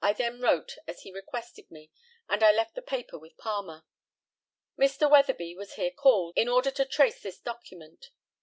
I then wrote as he requested me, and I left the paper with Palmer. Mr. WEATHERBY was here called, in order to trace this document.